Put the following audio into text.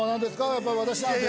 やっぱり私なんて。